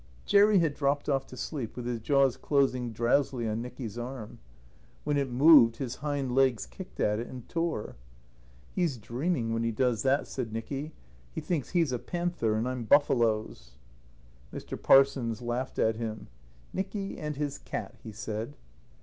Jerry had dropped off to sleep with his jaws closing drowsily on Nicky's arm. When it moved his hind legs kicked at it and tore. "He's dreaming when he does that," said Nicky. "He thinks he's a panther and I'm buffaloes." Mr. Parsons laughed at him. "Nicky and his cat!" he said.